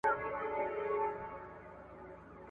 هغه یو مهم پیغام په موبایل کې ترلاسه کړ.